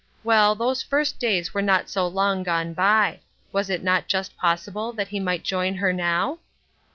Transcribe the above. Well, those first days were not so long gone by. Was it not just pos sible that he might join her now